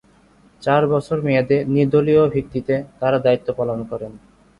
চার বছর মেয়াদে নির্দলীয় ভিত্তিতে তারা দায়িত্ব পালন করেন।